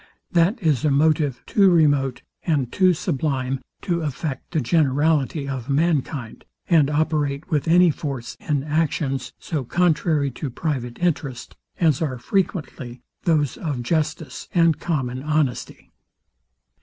That is a motive too remote and too sublime to affect the generality of mankind, and operate with any force in actions so contrary to private interest as are frequently those of justice and common honesty.